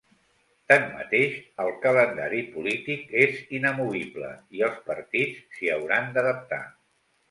Tanmateix, el calendari polític és inamovible i els partits s’hi hauran d’adaptar.